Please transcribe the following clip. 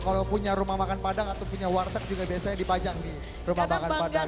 kalau punya rumah makan padang atau punya warteg juga biasanya dipajang di rumah makan padang